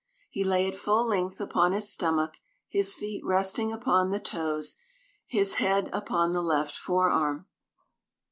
He lay at full length, upon his stomach, his feet resting upon the toes, his head upon the left forearm.